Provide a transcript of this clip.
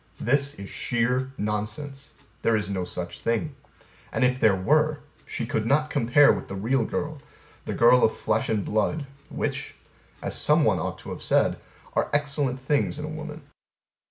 This is sheer nonsense: there is no such thing. And if there were, she could not compare with the real girl, the girl of flesh and blood which (as some one ought to have said) are excellent things in woman.